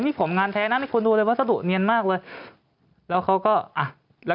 นี่ผมงานแท้นะมีคนดูเลยวัสดุเนียนมากเลยแล้วเขาก็อ่ะแล้ว